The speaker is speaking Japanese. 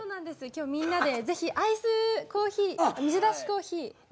今日みんなでぜひアイスコーヒー水出しコーヒー。